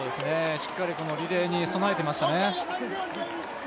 しっかりリレーに備えていましたね。